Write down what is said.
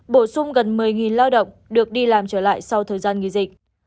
bổ sung gần một mươi lao động được đi làm trở lại sau thời gian nghỉ dịch